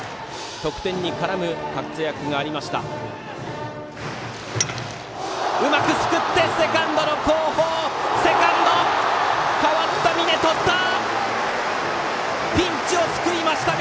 得点に絡む活躍がありました。